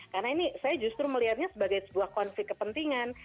karena ini saya justru melihatnya sebagai sebuah konflik kepentingan